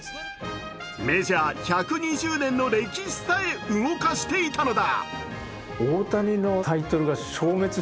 メジャー１２０年の歴史さえ動かしていたのだ。